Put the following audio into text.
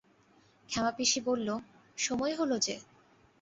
ক্ষেমাপিসি বললে, সময় হল যে।